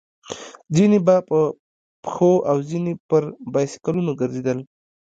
ځينې به په پښو او ځينې پر بایسکلونو ګرځېدل.